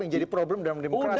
yang jadi problem dalam demokrasi